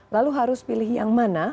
lalu harus pilih yang mana